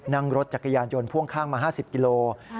นั่งรถจักรยานยนต์พ่วงข้างมา๕๐กิโล